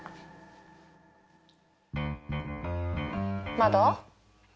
まだ？